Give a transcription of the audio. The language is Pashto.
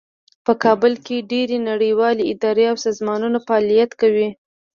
په کابل کې ډیرې نړیوالې ادارې او سازمانونه فعالیت کوي